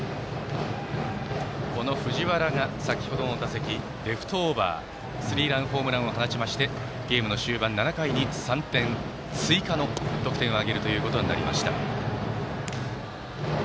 この藤原が先程の打席レフトオーバーのスリーランホームランを放ってゲームの終盤７回に３点追加の得点を挙げました。